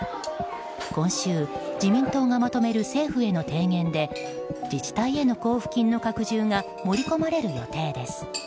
今週、自民党がまとめる政府への提言で自治体への交付金の拡充が盛り込まれる予定です。